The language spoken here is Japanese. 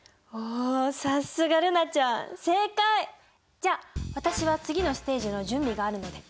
じゃあ私は次のステージの準備があるので。